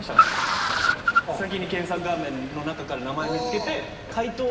先に検索画面の中から名前見つけて。